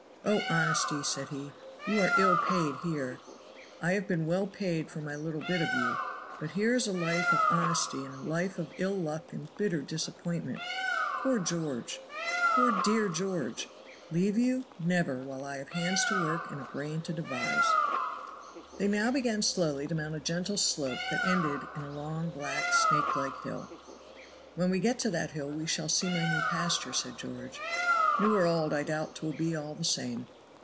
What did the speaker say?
"Oh, Honesty!" said he, "you are ill paid here. I have been well paid for my little bit of you, but here is a life of honesty and a life of ill luck and bitter disappointment. Poor George! poor, dear George! Leave you? never while I have hands to work and a brain to devise!" They now began slowly to mount a gentle slope that ended in a long black snakelike hill. "When we get to that hill we shall see my new pasture," said George. "New or old, I doubt 'twill be all the same."